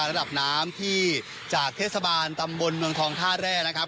ระดับน้ำที่จากเทศบาลตำบลเมืองทองท่าแร่นะครับ